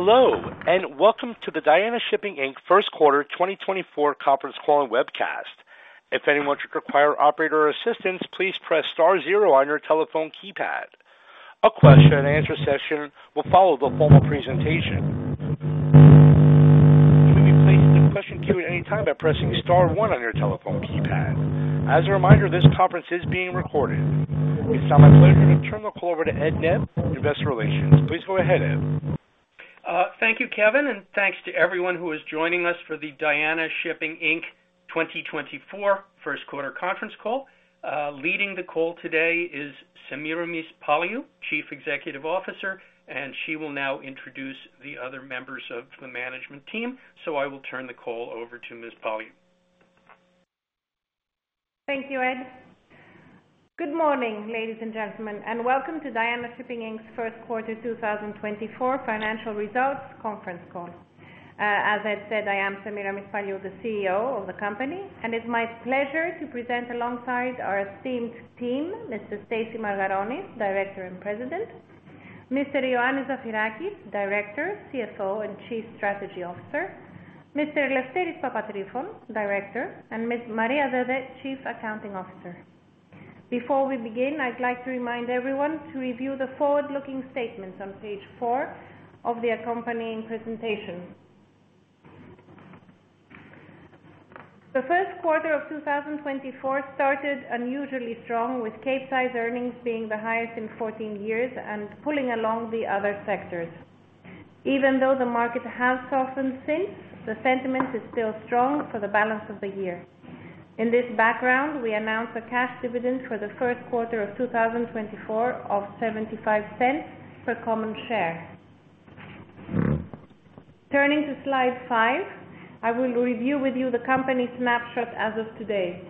Hello, and welcome to the Diana Shipping Inc. First Quarter 2024 conference call and webcast. If anyone should require operator assistance, please press star zero on your telephone keypad. A question and answer session will follow the formal presentation. You may be placed in the question queue at any time by pressing star one on your telephone keypad. As a reminder, this conference is being recorded. It's now my pleasure to turn the call over to Ed Nebb, Investor Relations. Please go ahead, Ed. Thank you, Kevin, and thanks to everyone who is joining us for the Diana Shipping Inc. 2024 first quarter conference call. Leading the call today is Semiramis Paliou, Chief Executive Officer, and she will now introduce the other members of the management team. I will turn the call over to Ms. Paliou. Thank you, Ed. Good morning, ladies and gentlemen, and welcome to Diana Shipping Inc.'s First Quarter 2024 financial results conference call. As I said, I am Semiramis Paliou, the CEO of the company, and it's my pleasure to present alongside our esteemed team, Mr. Stacy Margaronis, Director and President, Mr. Ioannis Zafirakis, Director, CFO, and Chief Strategy Officer, Mr. Lefteris Papatrifon, Director, and Ms. Maria Dede, Chief Accounting Officer. Before we begin, I'd like to remind everyone to review the forward-looking statements on page four of the accompanying presentation. The first quarter of 2024 started unusually strong, with Capesize earnings being the highest in 14 years and pulling along the other sectors. Even though the market has softened since, the sentiment is still strong for the balance of the year. In this background, we announce a cash dividend for the first quarter of 2024 of $0.75 per common share. Turning to slide five, I will review with you the company's snapshot as of today.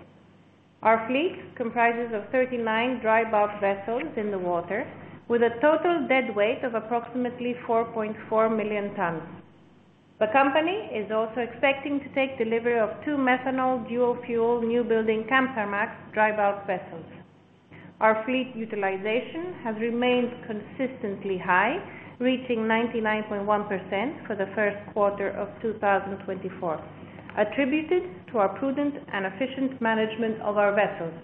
Our fleet comprises of 39 dry bulk vessels in the water, with a total deadweight of approximately 4.4 million tons. The company is also expecting to take delivery of two Methanol Dual Fuel new building Kamsarmax dry bulk vessels. Our fleet utilization has remained consistently high, reaching 99.1% for the first quarter of 2024, attributed to our prudent and efficient management of our vessels.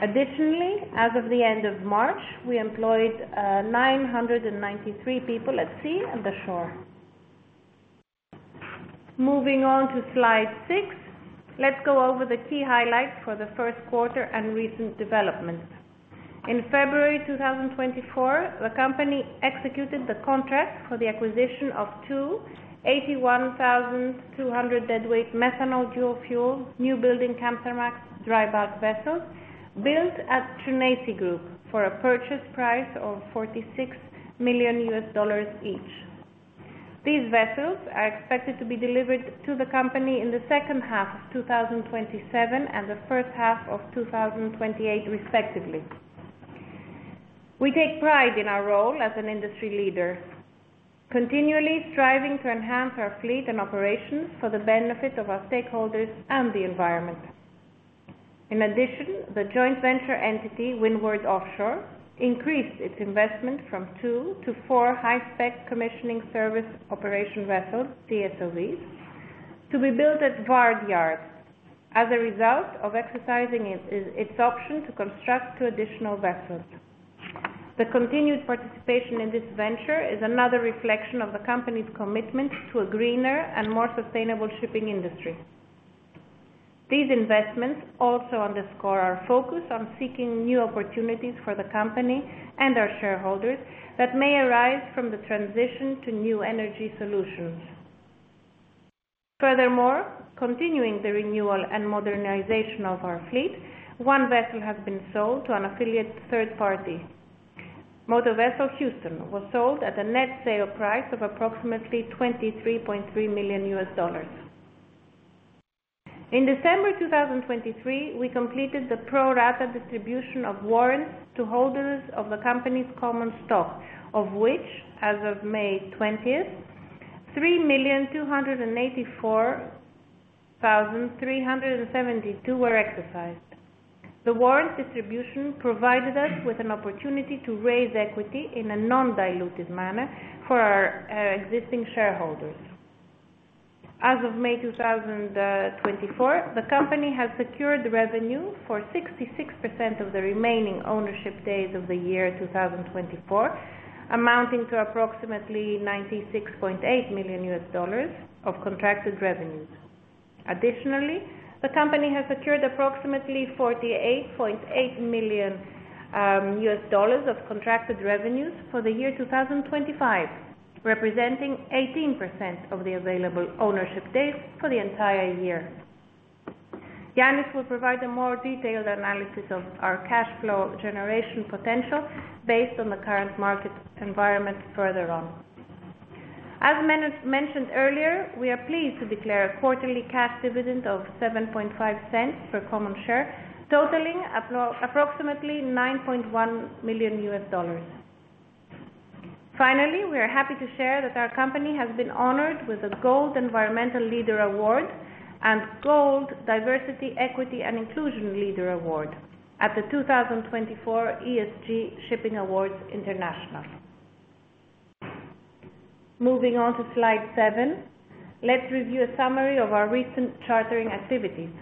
Additionally, as of the end of March, we employed 993 people at sea and the shore. Moving on to slide six, let's go over the key highlights for the first quarter and recent developments. In February 2024, the company executed the contract for the acquisition of two 81,200 deadweight methanol dual fuel new building Kamsarmax dry bulk vessels built at Tsuneishi Group for a purchase price of $46 million each. These vessels are expected to be delivered to the company in the second half of 2027 and the first half of 2028, respectively. We take pride in our role as an industry leader, continually striving to enhance our fleet and operations for the benefit of our stakeholders and the environment. In addition, the joint venture entity, Windward Offshore, increased its investment from 2-4 high-spec commissioning service operation vessels, CSOVs, to be built at VARD as a result of exercising its option to construct two additional vessels. The continued participation in this venture is another reflection of the company's commitment to a greener and more sustainable shipping industry. These investments also underscore our focus on seeking new opportunities for the company and our shareholders that may arise from the transition to new energy solutions. Furthermore, continuing the renewal and modernization of our fleet, one vessel has been sold to an unaffiliated third party. m/v Houston was sold at a net sale price of approximately $23.3 million. In December 2023, we completed the pro rata distribution of warrants to holders of the company's common stock, of which, as of May 20, 3,284,372 were exercised. The warrant distribution provided us with an opportunity to raise equity in a non-dilutive manner for our, existing shareholders. As of May 2024, the company has secured revenue for 66% of the remaining ownership days of the year 2024, amounting to approximately $96.8 million of contracted revenues. Additionally, the company has secured approximately $48.8 million of contracted revenues for the year 2025, representing 18% of the available ownership days for the entire year. Yannis will provide a more detailed analysis of our cash flow generation potential based on the current market environment further on. As mentioned earlier, we are pleased to declare a quarterly cash dividend of $0.075 per common share, totaling approximately $9.1 million. Finally, we are happy to share that our company has been honored with a Gold Environmental Leader Award and Gold Diversity, Equity and Inclusion Leader Award at the 2024 ESG Shipping Awards International. Moving on to slide seven, let's review a summary of our recent chartering activities.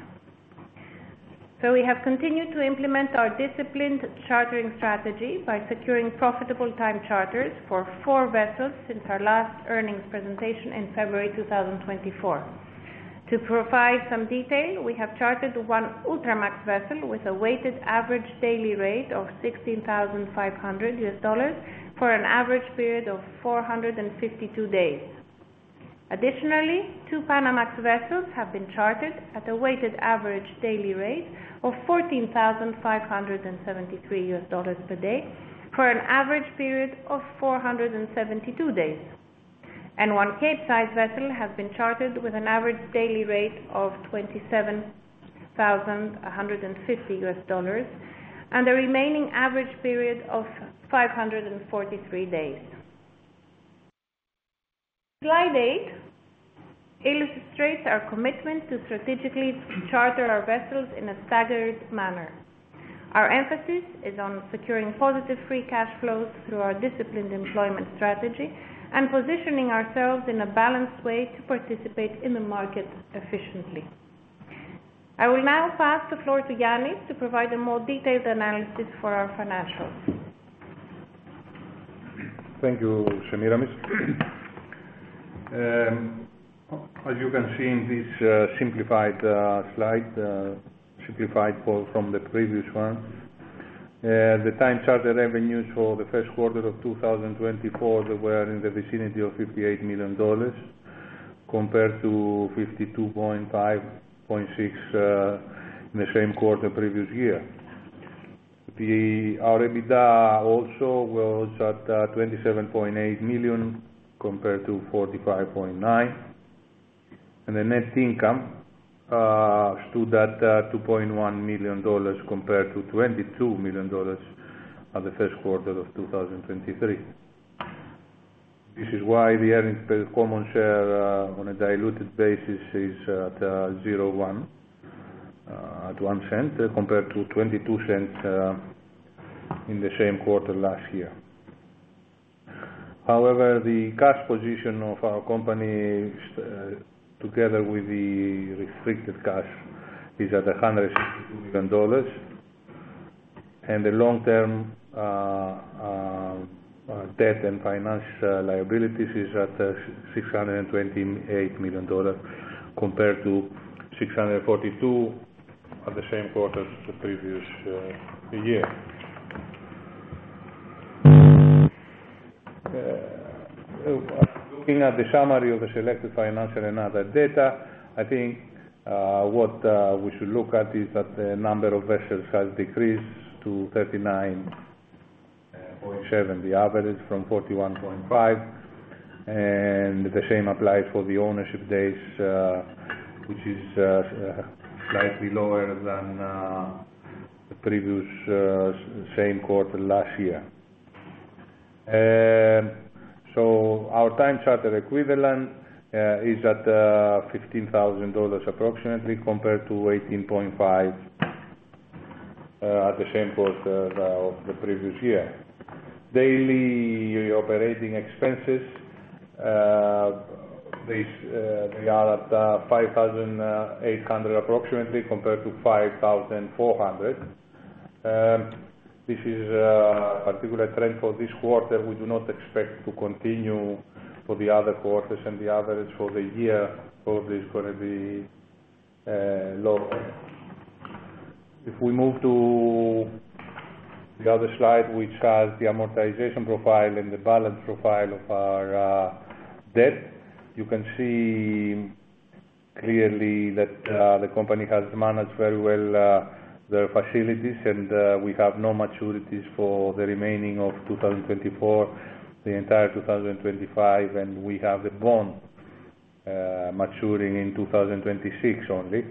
So we have continued to implement our disciplined chartering strategy by securing profitable time charters for four vessels since our last earnings presentation in February 2024. To provide some detail, we have chartered 1 Ultramax vessel with a weighted average daily rate of $16,500 for an average period of 452 days. Additionally, two Panamax vessels have been chartered at a weighted average daily rate of $14,573 per day for an average period of 472 days, and one Capesize vessel has been chartered with an average daily rate of $27,150 and a remaining average period of 543 days. Slide eight illustrates our commitment to strategically charter our vessels in a staggered manner. Our emphasis is on securing positive free cash flows through our disciplined employment strategy and positioning ourselves in a balanced way to participate in the market efficiently. I will now pass the floor to loannis to provide a more detailed analysis for our financials. Thank you, Semiramis. As you can see in this simplified slide simplified call from the previous one, the time charter revenues for the first quarter of 2024 were in the vicinity of $58 million, compared to $52.56 million in the same quarter previous year. Our EBITDA also was at $27.8 million, compared to $45.9 million, and the net income stood at $2.1 million, compared to $22 million at the first quarter of 2023. This is why the earnings per common share on a diluted basis is at 0.01 at $0.01, compared to $0.22 in the same quarter last year. However, the cash position of our company, together with the restricted cash, is at $100 million, and the long-term, debt and finance, liabilities is at $628 million, compared to $642 million at the same quarter the previous year. Looking at the summary of the selected financial and other data, I think, what we should look at is that the number of vessels has decreased to 39.7, the average from 41.5, and the same applies for the ownership days, which is slightly lower than the previous same quarter last year. So our time charter equivalent is at $15,000 approximately, compared to 18.5 at the same quarter of the previous year. Daily operating expenses, this, they are at $5,800 approximately, compared to $5,400. This is a particular trend for this quarter we do not expect to continue for the other quarters, and the average for the year probably is going to be lower. If we move to the other slide, which has the amortization profile and the balance profile of our debt, you can see clearly that the company has managed very well the facilities, and we have no maturities for the remaining of 2024, the entire 2025, and we have the bond maturing in 2026 only.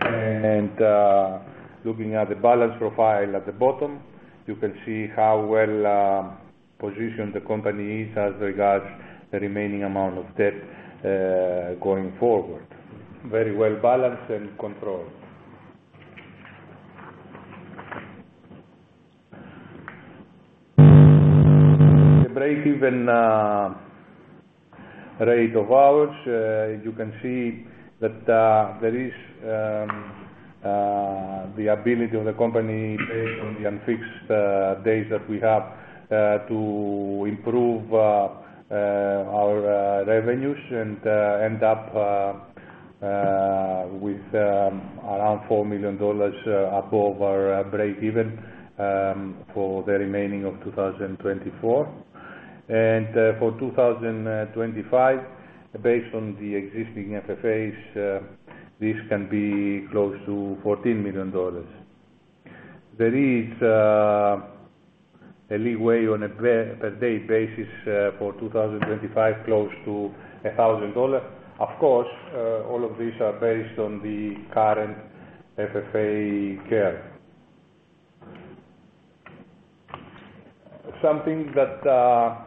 And, looking at the balance profile at the bottom, you can see how well positioned the company is as regards the remaining amount of debt going forward. Very well balanced and controlled. The break-even rate of ours, you can see that there is the ability of the company based on the unfixed days that we have to improve our revenues and end up with around $4 million above our break-even for the remaining of 2024. And, for 2025, based on the existing FFAs, this can be close to $14 million. There is a leeway on a per day basis for 2025, close to $1,000. Of course, all of these are based on the current FFA curve. Something that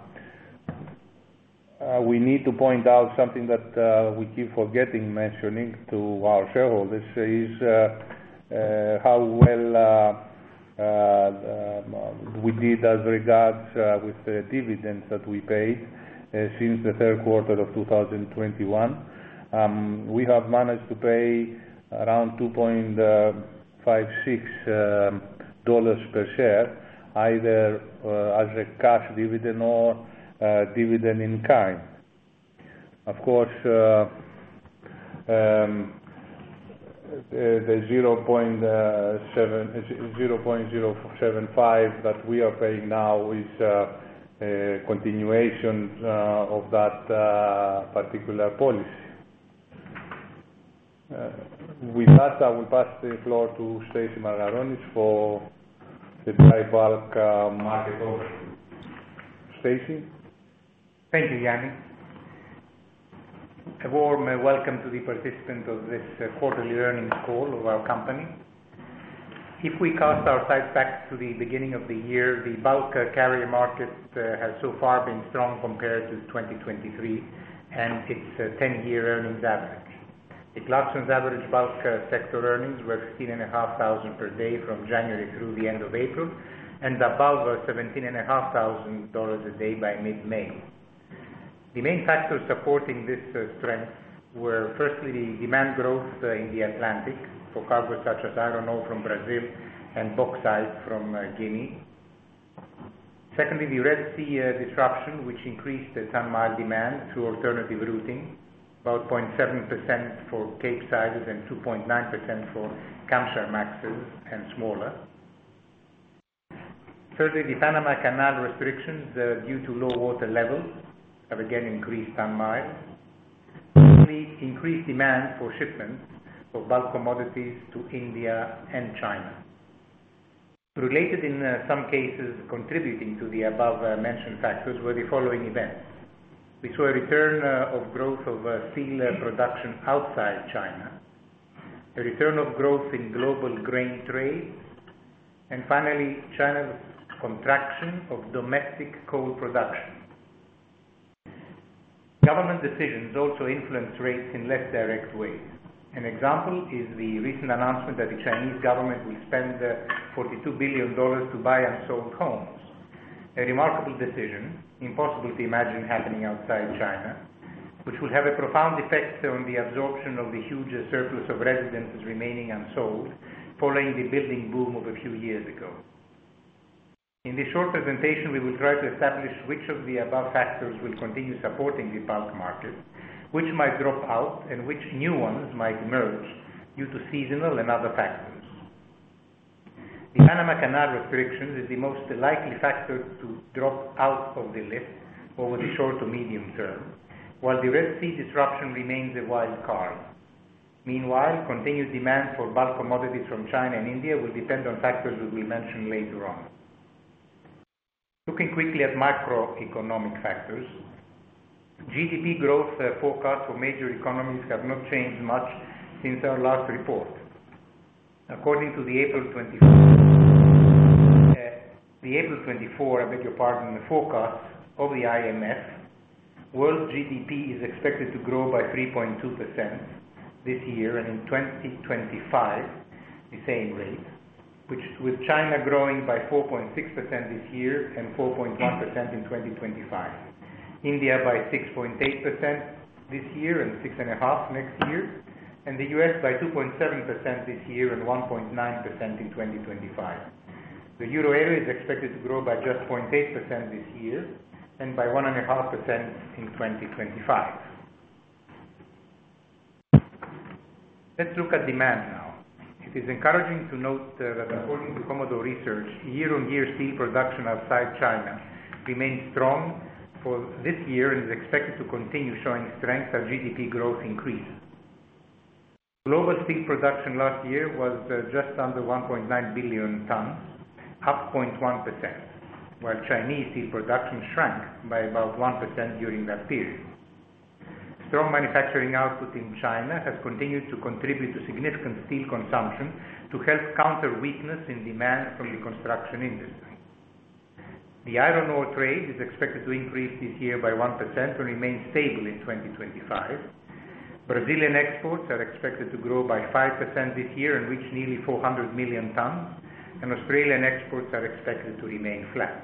we need to point out, something that we keep forgetting mentioning to our shareholders is how well we did as regards with the dividends that we paid since the third quarter of 2021. We have managed to pay around $2.56 per share, either as a cash dividend or dividend in kind. Of course, the $0.075 that we are paying now is a continuation of that particular policy. With that, I will pass the floor to Stacy Margaronis for the dry bulk market overview. Stacy? Thank you, Yanni. A warm welcome to the participant of this quarterly earnings call of our company. If we cast our sights back to the beginning of the year, the bulk carrier market has so far been strong compared to 2023 and its ten-year earnings average. The Clarksons average bulk sector earnings were $15,500 per day from January through the end of April, and above $17,500 a day by mid-May. The main factors supporting this strength were firstly, the demand growth in the Atlantic for cargo such as iron ore from Brazil and bauxite from Guinea. Secondly, the Red Sea disruption, which increased the ton mile demand through alternative routing, about 0.7% for Capesize and 2.9% for Kamsarmaxes and smaller. Thirdly, the Panama Canal restrictions due to low water levels have again increased ton miles. Increased demand for shipments of bulk commodities to India and China. Related, in some cases, contributing to the above mentioned factors were the following events: We saw a return of growth of steel production outside China, a return of growth in global grain trade, and finally, China's contraction of domestic coal production. Government decisions also influence rates in less direct ways. An example is the recent announcement that the Chinese government will spend $42 billion to buy unsold homes. A remarkable decision, impossible to imagine happening outside China, which will have a profound effect on the absorption of the huge surplus of residences remaining unsold following the building boom of a few years ago. In this short presentation, we will try to establish which of the above factors will continue supporting the bulk market, which might drop out, and which new ones might emerge due to seasonal and other factors. The Panama Canal restriction is the most likely factor to drop out of the list over the short to medium term, while the Red Sea disruption remains a wild card. Meanwhile, continued demand for bulk commodities from China and India will depend on factors that we mentioned later on. Looking quickly at macroeconomic factors, GDP growth forecast for major economies have not changed much since our last report. According to the April 2024, I beg your pardon, the forecast of the IMF, world GDP is expected to grow by 3.2% this year, and in 2025, the same rate. Which with China growing by 4.6% this year and 4.1% in 2025. India by 6.8% this year and 6.5% next year, and the U.S. by 2.7% this year and 1.9% in 2025. The Euro area is expected to grow by just 0.8% this year and by 1.5% in 2025. Let's look at demand now. It is encouraging to note that according to Commodore Research, year-on-year steel production outside China remains strong for this year and is expected to continue showing strength as GDP growth increases. Global steel production last year was just under 1.9 billion tons, up 0.1%, while Chinese steel production shrank by about 1% during that period. Strong manufacturing output in China has continued to contribute to significant steel consumption to help counter weakness in demand from the construction industry. The iron ore trade is expected to increase this year by 1% and remain stable in 2025. Brazilian exports are expected to grow by 5% this year and reach nearly 400 million tons, and Australian exports are expected to remain flat.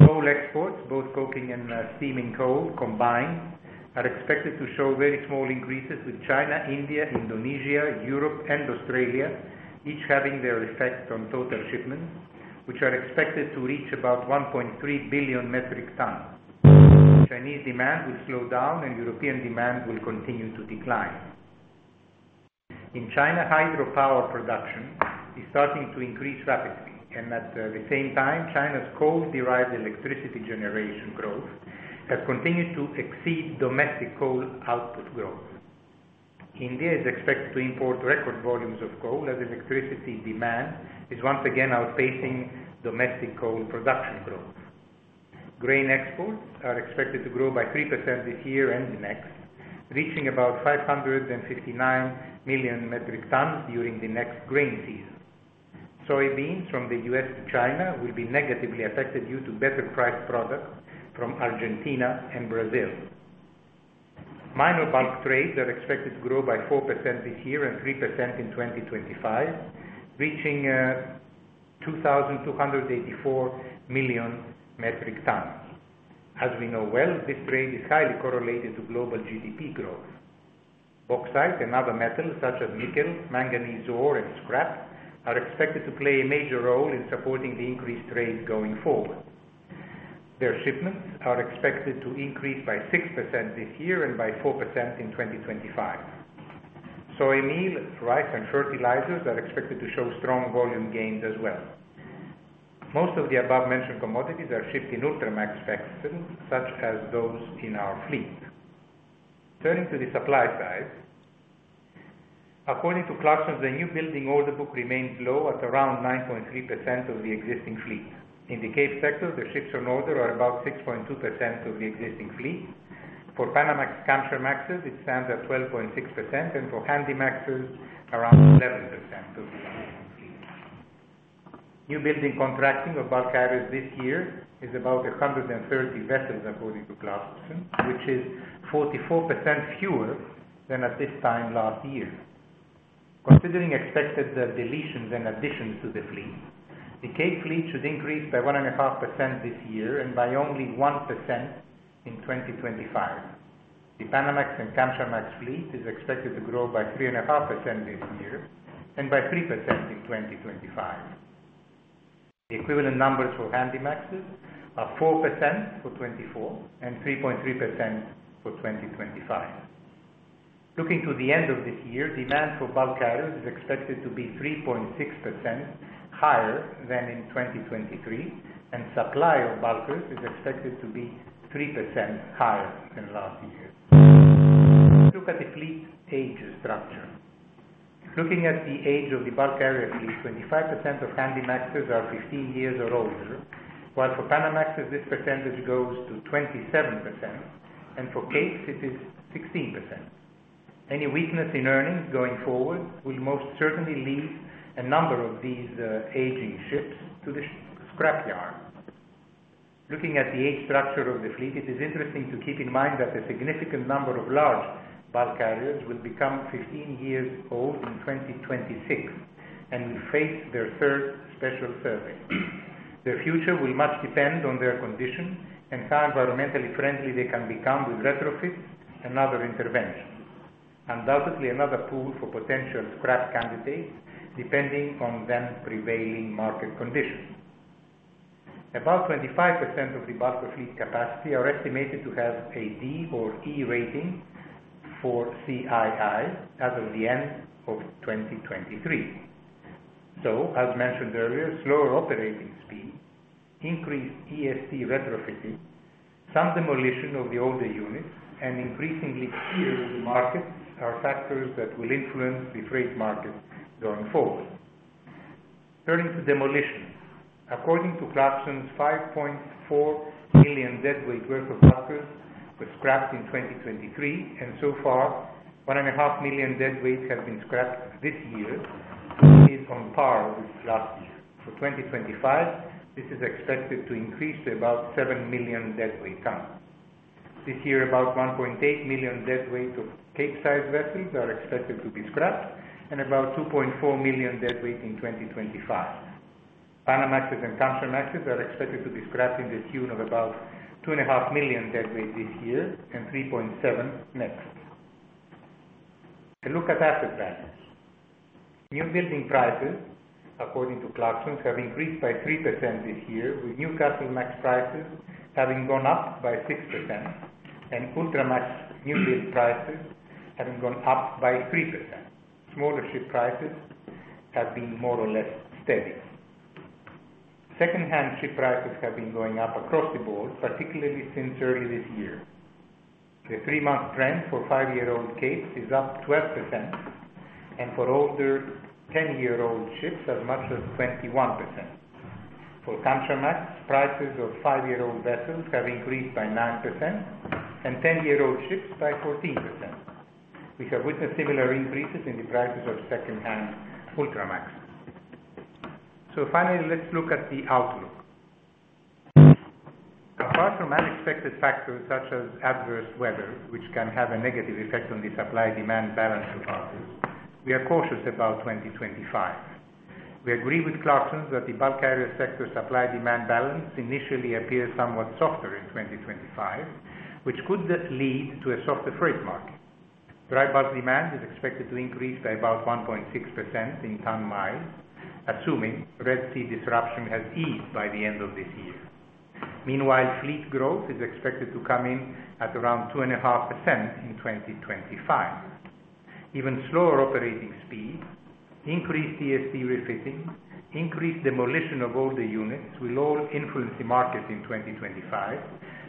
Coal exports, both coking and steaming coal combined, are expected to show very small increases with China, India, Indonesia, Europe, and Australia, each having their effect on total shipments, which are expected to reach about 1.3 billion metric tons. Chinese demand will slow down and European demand will continue to decline. In China, hydropower production is starting to increase rapidly, and at the same time, China's coal-derived electricity generation growth has continued to exceed domestic coal output growth. India is expected to import record volumes of coal as electricity demand is once again outpacing domestic coal production growth. Grain exports are expected to grow by 3% this year and the next, reaching about 559 million metric tons during the next grain season. Soybeans from the U.S. to China will be negatively affected due to better priced products from Argentina and Brazil. Minor bulk trades are expected to grow by 4% this year and 3% in 2025, reaching 2,284 million metric tons. As we know well, this trade is highly correlated to global GDP growth. Bauxite and other metals such as nickel, manganese ore, and scrap are expected to play a major role in supporting the increased trade going forward. Their shipments are expected to increase by 6% this year and by 4% in 2025. Soy meal, rice, and fertilizers are expected to show strong volume gains as well. Most of the above-mentioned commodities are shipped in Ultramax sections, such as those in our fleet. Turning to the supply side, according to Clarksons, the new building order book remains low at around 9.3% of the existing fleet. In the Cape sector, the ships on order are about 6.2% of the existing fleet. For Panamax, Kamsarmaxes, it stands at 12.6%, and for Handymaxes, around 11% of the fleet. New building contracting of bulk carriers this year is about 130 vessels, according to Clarksons, which is 44% fewer than at this time last year. Considering expected deletions and additions to the fleet, the Cape fleet should increase by 1.5% this year and by only 1% in 2025. The Panamax and Kamsarmax fleet is expected to grow by 3.5% this year and by 3% in 2025. The equivalent numbers for Handymaxes are 4% for 2024 and 3.3% for 2025. Looking to the end of this year, demand for bulk carriers is expected to be 3.6% higher than in 2023, and supply of bulkers is expected to be 3% higher than last year. Look at the fleet age structure. Looking at the age of the bulk carrier fleet, 25% of Handymaxes are 15 years or older, while for Panamax, this percentage goes to 27%, and for Capes it is 16%. Any weakness in earnings going forward will most certainly lead a number of these aging ships to the scrapyard. Looking at the age structure of the fleet, it is interesting to keep in mind that a significant number of large bulk carriers will become 15 years old in 2026 and will face their first Special Survey. Their future will much depend on their condition and how environmentally friendly they can become with retrofits and other interventions. Undoubtedly, another pool for potential scrap candidates, depending on then prevailing market conditions. About 25% of the bulker fleet capacity are estimated to have a D or E rating for CII as of the end of 2023. So as mentioned earlier, slower operating speed, increased ESG retrofitting, some demolition of the older units, and increasingly clear markets are factors that will influence the freight market going forward. Turning to demolition. According to Clarksons, 5.4 million deadweight worth of bulkers were scrapped in 2023, and so far, 1.5 million deadweight has been scrapped this year, still on par with last year. For 2025, this is expected to increase to about 7 million deadweight tons. This year, about 1.8 million deadweight of Capesize vessels are expected to be scrapped and about 2.4 million deadweight in 2025. Panamax and Kamsarmax are expected to be scrapped in the tune of about 2.5 million deadweight this year and 3.7 next. A look at asset values. Newbuilding prices, according to Clarksons, have increased by 3% this year, with Newcastlemax prices having gone up by 6% and Ultramax newbuilding prices having gone up by 3%. Smaller ship prices have been more or less steady. Secondhand ship prices have been going up across the board, particularly since early this year. The 3-month trend for 5-year-old Capes is up 12%, and for older 10-year-old ships, as much as 21%. For Kamsarmax, prices of 5-year-old vessels have increased by 9% and 10-year-old ships by 14%. We have witnessed similar increases in the prices of secondhand Ultramax. Finally, let's look at the outlook. Apart from unexpected factors such as adverse weather, which can have a negative effect on the supply-demand balance of bulkers, we are cautious about 2025. We agree with Clarksons that the bulk carrier sector supply-demand balance initially appears somewhat softer in 2025, which could lead to a softer freight market. Dry bulk demand is expected to increase by about 1.6% in ton miles, assuming Red Sea disruption has eased by the end of this year. Meanwhile, fleet growth is expected to come in at around 2.5% in 2025. Even slower operating speeds, increased ESG refitting, increased demolition of older units will all influence the market in 2025,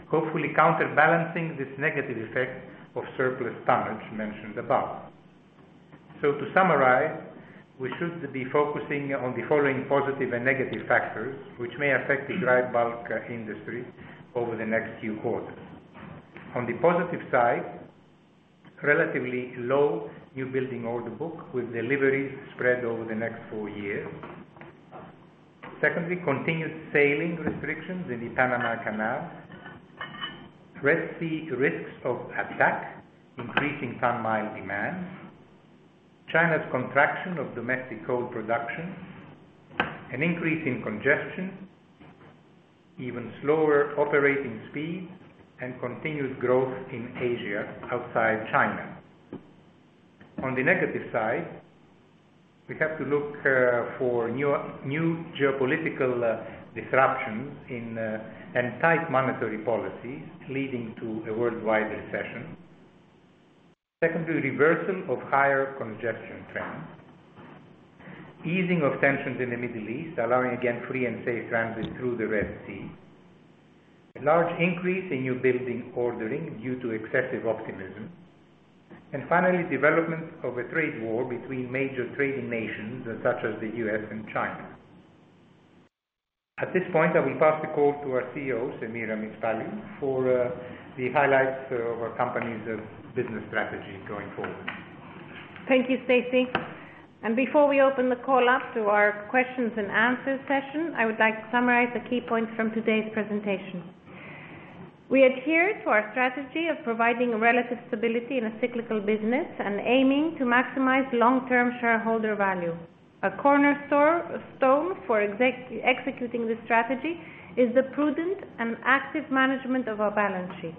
hopefully counterbalancing this negative effect of surplus tonnage mentioned above. So to summarize, we should be focusing on the following positive and negative factors, which may affect the dry bulk industry over the next few quarters. On the positive side, relatively low new building order book with deliveries spread over the next four years.... Secondly, continued sailing restrictions in the Panama Canal, Red Sea risks of attack, increasing ton-mile demand, China's contraction of domestic coal production, an increase in congestion, even slower operating speeds, and continued growth in Asia outside China. On the negative side, we have to look for new, new geopolitical disruptions in and tight monetary policies leading to a worldwide recession. Secondly, reversal of higher congestion trends, easing of tensions in the Middle East, allowing again free and safe transit through the Red Sea. A large increase in new building ordering due to excessive optimism, and finally, development of a trade war between major trading nations such as the U.S. and China. At this point, I will pass the call to our CEO, Semiramis Paliou, for the highlights of our company's business strategy going forward. Thank you, Stacy. Before we open the call up to our questions and answers session, I would like to summarize the key points from today's presentation. We adhere to our strategy of providing relative stability in a cyclical business and aiming to maximize long-term shareholder value. A cornerstone for executing this strategy is the prudent and active management of our balance sheet.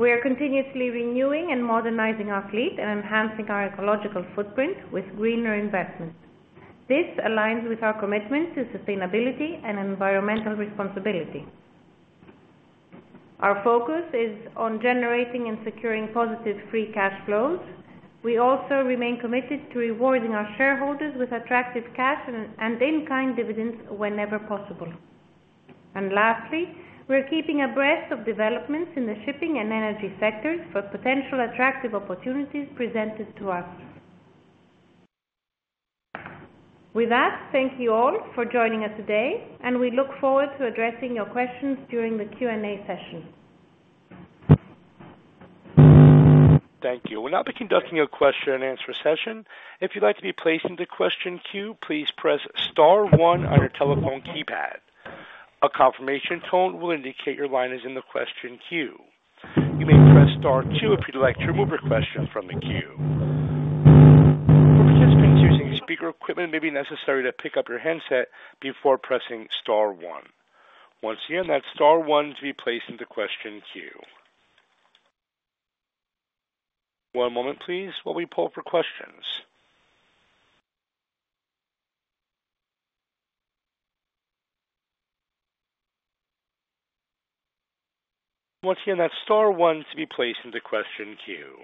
We are continuously renewing and modernizing our fleet and enhancing our ecological footprint with greener investments. This aligns with our commitment to sustainability and environmental responsibility. Our focus is on generating and securing positive free cash flows. We also remain committed to rewarding our shareholders with attractive cash and in-kind dividends whenever possible. Lastly, we're keeping abreast of developments in the shipping and energy sectors for potential attractive opportunities presented to us. With that, thank you all for joining us today, and we look forward to addressing your questions during the Q&A session. Thank you. We'll now be conducting a question and answer session. If you'd like to be placed into question queue, please press star one on your telephone keypad. A confirmation tone will indicate your line is in the question queue. You may press star two if you'd like to remove your question from the queue. For participants using speaker equipment, it may be necessary to pick up your handset before pressing star one. Once again, that's star one to be placed into question queue. One moment, please, while we poll for questions. Once again, that's star one to be placed into question queue.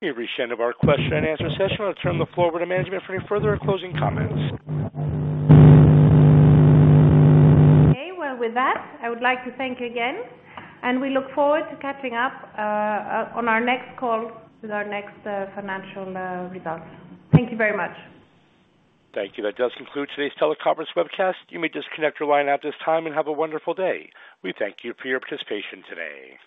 We've reached the end of our question and answer session. I'll turn the floor over to management for any further closing comments. Okay, well, with that, I would like to thank you again, and we look forward to catching up on our next call with our next financial results. Thank you very much. Thank you. That does conclude today's teleconference webcast. You may disconnect your line at this time and have a wonderful day. We thank you for your participation today.